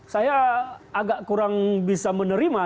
saya agak kurang bisa menerima